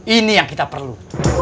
ini yang kita perlu